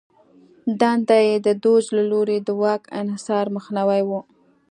دنده یې د دوج له لوري د واک انحصار مخنیوی و